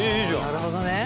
なるほどね。